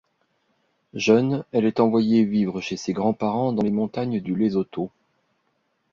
Jeune, elle est envoyée vivre chez ses grands-parents dans les montagnes du Lesotho.